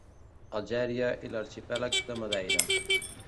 Algèria i l'arxipèlag de Madeira.